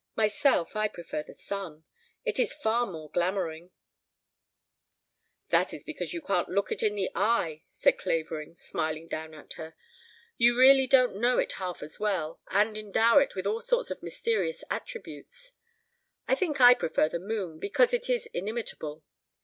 Myself, I prefer the sun. It is far more glamoring." "That is because you can't look it in the eye," said Clavering, smiling down on her. "You really don't know it half as well, and endow it with all sorts of mysterious attributes. I think I prefer the moon, because it is inimitable.